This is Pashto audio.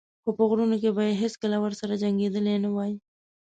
خو په غرونو کې به یې هېڅکله ورسره جنګېدلی نه وای.